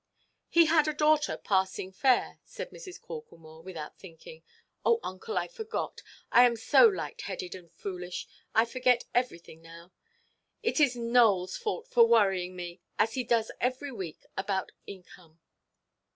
"He had a daughter passing fair," sang Mrs. Corklemore, without thinking. "Oh, uncle, I forgot; I am so light–headed and foolish, I forget everything now. It is Nowellʼs fault for worrying me, as he does every week, about income."